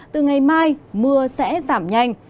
từ ngày mai mưa sẽ giảm nhanh